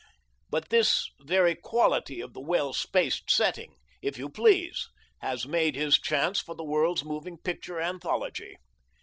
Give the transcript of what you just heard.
But this very quality of the well spaced setting, if you please, has made his chance for the world's moving picture anthology.